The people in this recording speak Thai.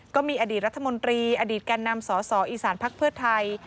ก็มีอดีตรัฐมนตรีอดีตแก่นำสอสออีสานพักเพื่อไทย